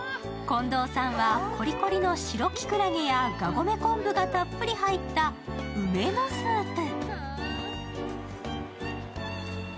近藤さんはコリコリの白きくらげやがごめ昆布がたっぷり入った梅のスープ。